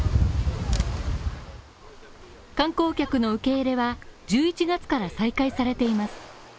観光客の受け入れは１１月から再開されています。